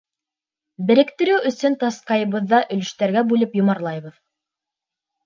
Беректереү өсөн тасҡайбыҙ ҙа өлөштәргә бүлеп йомарлайбыҙ.